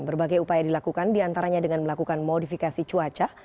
berbagai upaya dilakukan diantaranya dengan melakukan modifikasi cuaca